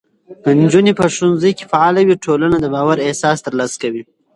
که نجونې په ښوونځي کې فعاله وي، ټولنه د باور احساس ترلاسه کوي.